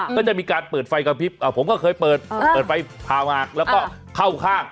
ก็จะมีการเปิดไฟกระพริบผมก็เคยเปิดเปิดไฟผ่าหมากแล้วก็เข้าข้าง